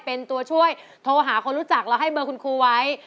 เป็นตัวช่วยโทรหาคนรู้จักแล้วให้เบอร์คุณครูไว้